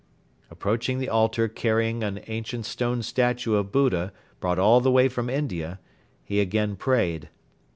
Approaching the altar carrying an ancient stone statue of Buddha brought all the way from India, he again prayed.